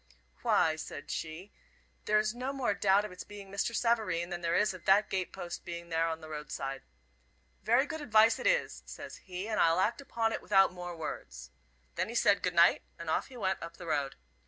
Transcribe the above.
"Why," said she, "there is no more doubt of its being Mr. Savareen than there is of that gate post being there on the road side. 'Very good advice it is,' says he, 'and I'll act upon it without more words.' Then he said 'good night,' and off he went up the road.